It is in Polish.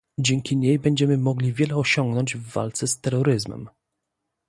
Dzięki niej będziemy mogli wiele osiągnąć w walce z terroryzmem